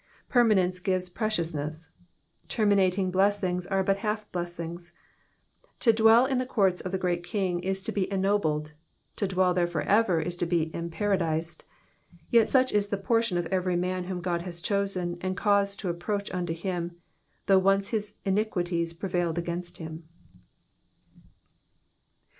'' Permanence gives preciousness. Terminating blessings are but half blessings. To dwell in the courts of the Great King is to be ennobled ; to dwell there for ever is to be emparadised : yet such is the portion of every man whom God has chosen and caused to approach unto him, though once his iniquities prevailed against him.